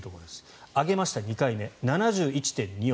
上げました、２回目７１．２億。